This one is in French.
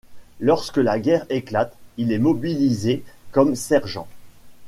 Lorsque la guerre éclate, il est mobilisé comme sergent.